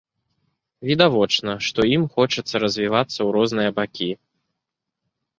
Відавочна, што ім хочацца развівацца ў розныя бакі.